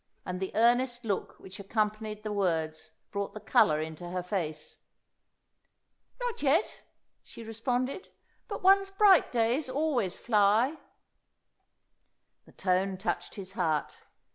And the earnest look which accompanied the words brought the colour into her face. "Not yet," she responded; "but one's bright days always fly." The tone touched his heart.